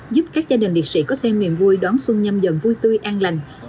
giúp các gia đình liệt sĩ có thêm niềm vui đón xuân nhâm dần vui tươi an lành